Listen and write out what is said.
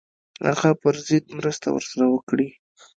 هغه پر ضد مرسته ورسره وکړي.